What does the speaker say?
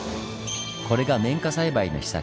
これが綿花栽培の秘策